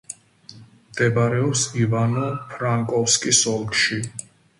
მდებარეობს ივანო-ფრანკოვსკის ოლქში.